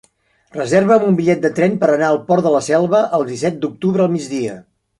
Reserva'm un bitllet de tren per anar al Port de la Selva el disset d'octubre al migdia.